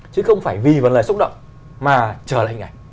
chứ không phải vì vấn lời xúc động mà trở lại hình ảnh